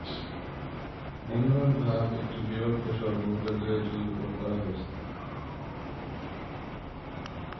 বমি বমি ভাব একটি বিরল উপসর্গ, যদিও এটি রিপোর্ট করা হয়েছে।